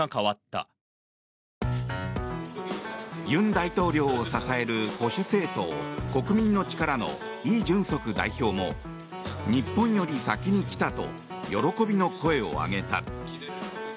尹大統領を支える保守政党、国民の力のイ・ジュンソク代表も日本より先に来たと喜びの声を上げた。